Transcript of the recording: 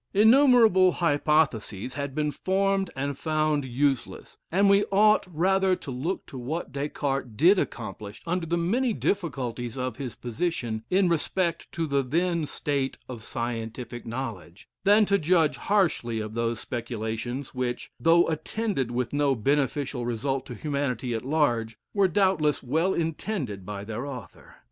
Innumerable hypotheses had been formed and found useless; and we ought rather to look to what Des Cartes did accomplish under the many difficulties of his position, in respect to the then, state of scientific knowledge, than to judge harshly of those speculations, which, though attended with no beneficial result to humanity at large, were doubtless well intended by their author.